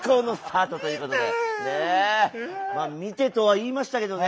まあ見てとは言いましたけどね